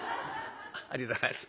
ありがとうございます。